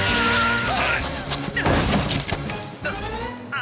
あ。